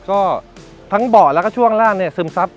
ก็ทั้งเบาะแล้วก็ช่วงล่างเนี่ยซึมซับ